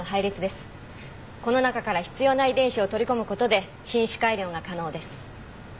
この中から必要な遺伝子を取り込むことで品種改良が可能です。